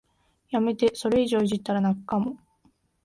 やめて、それ以上いじったら泣くかも